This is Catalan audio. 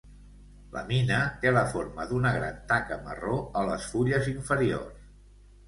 La mina té la forma d'una gran taca marró a les fulles inferiors.